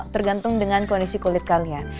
tergantung dengan kondisi kulit kalian